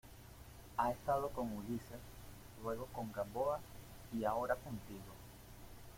ha estado con Ulises, luego con Gamboa y ahora contigo.